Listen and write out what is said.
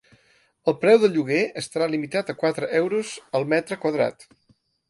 El preu del lloguer estarà limitat a quatre euros el metre quadrat.